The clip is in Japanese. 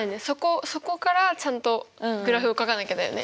そこからちゃんとグラフをかかなきゃだよね。